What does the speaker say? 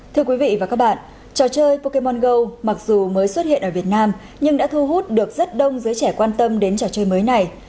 thưa quý vị và các bạn trò chơi pokemono mặc dù mới xuất hiện ở việt nam nhưng đã thu hút được rất đông giới trẻ quan tâm đến trò chơi mới này